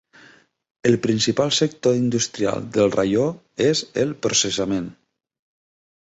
El principal sector industrial del raió és el processament.